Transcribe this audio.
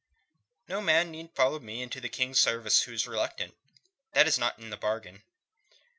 "No man need follow me into the King's service who is reluctant. That is not in the bargain.